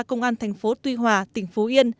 công an thành phố tuy hòa tỉnh phú yên